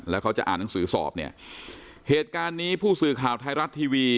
แล้วเขาจะอ่านหนังสือสอบเนี่ยเหตุการณ์นี้ผู้สื่อข่าวไทยรัฐทีวี